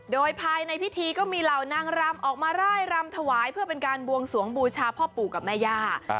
โดยภายในพิธีก็มีเหล่านางรำออกมาร่ายรำถวายเพื่อเป็นการบวงสวงบูชาพ่อปู่กับแม่ย่า